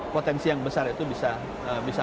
potensi yang besar itu bisa